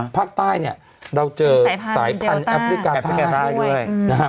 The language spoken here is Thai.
ภาคใต้เราเจอสายพันธุ์แอฟริกาธาด้วย